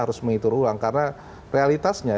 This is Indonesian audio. harus menghitung ulang karena realitasnya